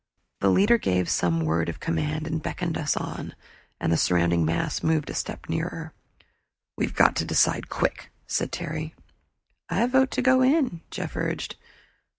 The leader gave some word of command and beckoned us on, and the surrounding mass moved a step nearer. "We've got to decide quick," said Terry. "I vote to go in," Jeff urged.